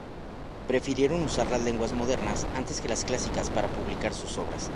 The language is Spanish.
Prefirieron usar las lenguas modernas antes que las clásicas para publicar sus obras.